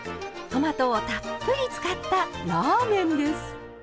トマトをたっぷり使ったラーメンです。